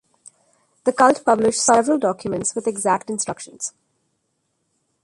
The cult published several documents with exact instructions.